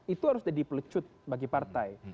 itu harus jadi pelecut bagi partai